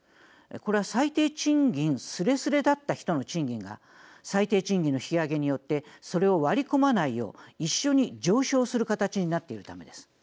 これは最低賃金すれすれだった人の賃金が最低賃金の引き上げによってそれを割り込まないよう一緒に上昇する形になっているためです。